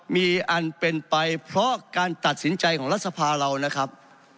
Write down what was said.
มีอันเป็นไปเพราะการตัดสินใจของรัฐสภาเรานะครับ